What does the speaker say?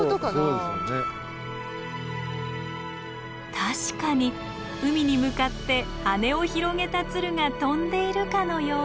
確かに海に向かって羽を広げた鶴が飛んでいるかのようです。